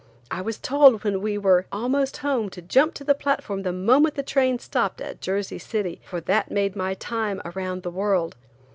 I was told when we were almost home to jump to the platform the moment the train stopped at Jersey City, for that made my time around the world.